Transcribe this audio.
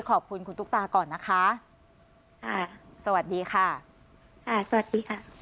ขอบคุณคุณตุ๊กตาก่อนนะคะค่ะสวัสดีค่ะค่ะสวัสดีค่ะ